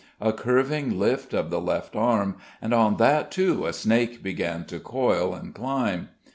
A curving lift of the left arm, and on that too a snake began to coil and climb.